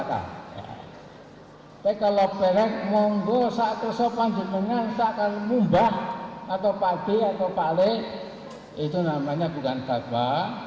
tapi kalau pelek monggo saat kesopan di tengah saat akan mumbah atau padi atau palik itu namanya bukan fatwa